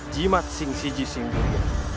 jimat sing siji singgung